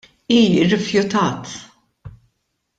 Hi rrifjutat.